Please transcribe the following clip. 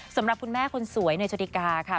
สำหรับคุณแม่คนสวยในโชติกาค่ะ